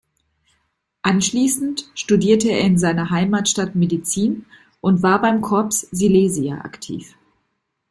Anschließend studierte er in seiner Heimatstadt Medizin und war beim Corps Silesia aktiv.